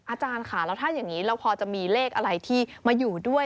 อาจารย์ค่ะแล้วถ้าอย่างนี้เราพอจะมีเลขอะไรที่มาอยู่ด้วย